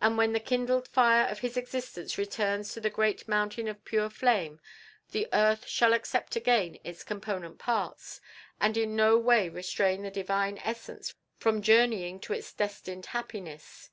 That when the kindled fire of his existence returns to the great Mountain of Pure Flame the earth shall accept again its component parts, and in no way restrain the divine essence from journeying to its destined happiness.